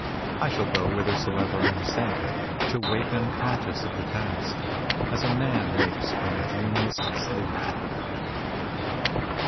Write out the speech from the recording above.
I shall go whithersoever I am sent, to wake unconscious of the past, as a man wakes from a dreamless sleep.